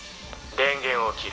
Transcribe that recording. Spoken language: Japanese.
「電源を切る、